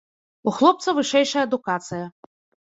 У хлопца вышэйшая адукацыя.